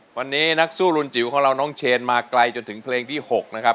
วันนี้นักสู้รุนจิ๋วของเราน้องเชนมาไกลจนถึงเพลงที่๖นะครับ